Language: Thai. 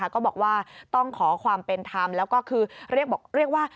ก็บอกว่าต้องขอความเป็นธรรมแล้วก็คือเรียกว่า